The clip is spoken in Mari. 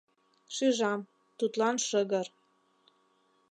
Шижам, тудлан шыгыр.